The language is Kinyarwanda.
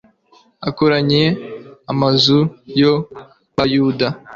akoranya amazu yo kwa yuda